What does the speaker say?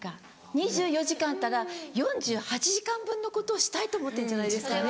２４時間あったら４８時間分のことをしたいと思ってるんじゃないですかね。